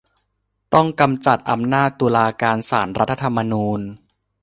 ต้องกำจัดอำนาจตุลาการศาลรัฐธรรมนูญ